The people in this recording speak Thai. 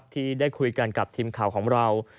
ที่ได้คุยกันกับทีมข่าวของเรา